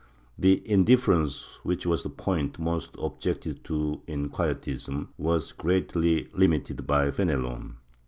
The indifference, which was the point most objected to in Quietism, was greatly limited by Fenelon.